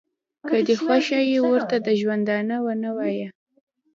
که دې خوښه ي ورته د ژوندانه ونه وایه.